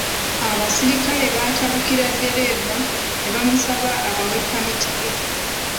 Abasirikale baatabukira ddereeva ne bamusaba abawe ppamiti ye.